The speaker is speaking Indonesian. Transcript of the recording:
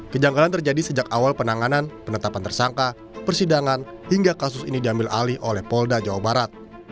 kejanggalan terjadi sejak awal penanganan penetapan tersangka persidangan hingga kasus ini diambil alih oleh polda jawa barat